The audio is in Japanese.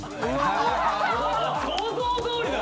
想像どおりだわ・